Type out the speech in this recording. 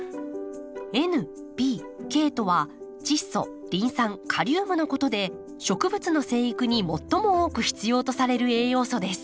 「Ｎ」「Ｐ」「Ｋ」とは「チッ素」「リン酸」「カリウム」のことで植物の生育に最も多く必要とされる栄養素です。